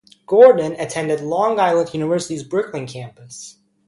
Gordon attended Long Island University's Brooklyn campus.